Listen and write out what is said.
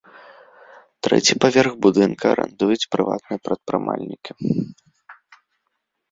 Трэці паверх будынка арандуюць прыватныя прадпрымальнікі.